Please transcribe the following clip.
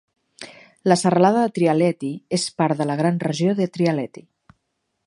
La serralada de Trialeti és part de la gran regió de Trialeti.